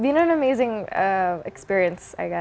itu adalah pengalaman yang luar biasa